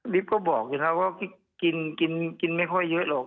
ดิ๊บก็บอกอยู่ครับว่ากินไม่ค่อยเยอะหรอก